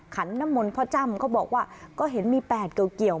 ขันน้ำมนต์พ่อจ้ำเขาบอกว่าก็เห็นมี๘เกี่ยว